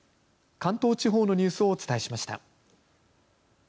関東地方のニュースをお伝えしました。